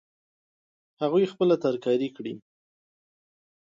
هغوی خپله ترکاري کري